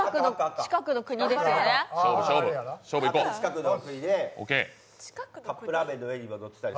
近くの国でカップラーメンの上にものってたり。